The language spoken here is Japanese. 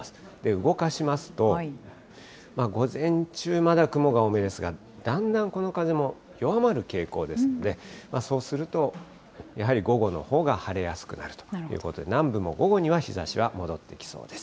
動かしますと、午前中、まだ雲が多めですが、だんだんこの風も弱まる傾向ですので、そうすると、やはり午後のほうが晴れやすくなるということで、南部も午後には日ざしは戻ってきそうです。